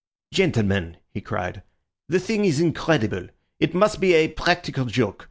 "Gentlemen," he cried, "the thing is incredible. It must be a practical joke.